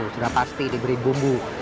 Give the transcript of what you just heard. sudah pasti diberi bumbu